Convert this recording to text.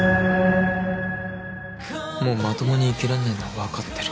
もうまともに生きらんねぇのはわかってる。